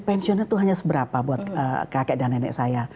pensiunnya itu hanya seberapa buat kakek dan nenek saya